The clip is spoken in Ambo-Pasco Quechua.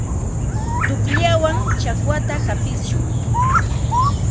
Tuqllawan chakwata hapishun.